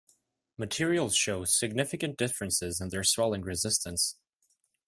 Materials show significant differences in their swelling resistance.